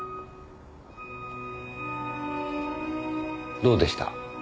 どうでした？